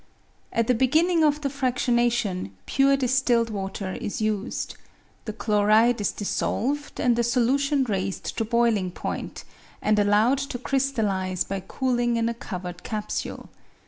At the beginning of the fractionation, pure distilled water is used. The chloride is dissolved, and the solution raised to boiling point, and allowed to crystallise by cooling in a covered capsule.